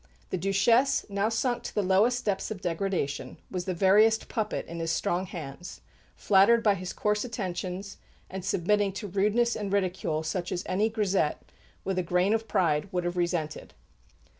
The Duchesse, now sunk to the lowest depths of degradation, was the veriest puppet in his strong hands, flattered by his coarse attentions and submitting to rudeness and ridicule such as any grisette, with a grain of pride, would have resented.